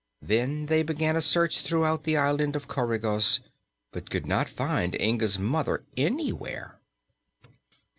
Then they began a search throughout the island of Coregos, but could not find Inga's mother anywhere.